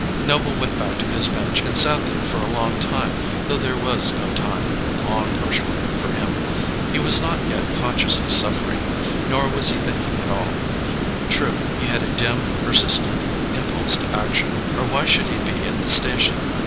Noble went back to his bench and sat there for a long time, though there was no time, long or short, for him. He was not yet consciously suffering; nor was he thinking at all. True, he had a dim, persistent impulse to action or why should he be at the station?